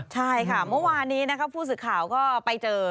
ใช่ค่ะเมื่อวานนี้นะครับผู้สื่อข่าวก็ไปเจอ